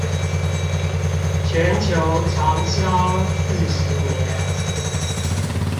全球長銷四十年